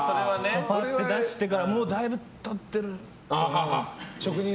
パッと出してからもうだいぶ経ってるって。